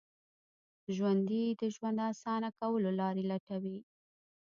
ژوندي د ژوند اسانه کولو لارې لټوي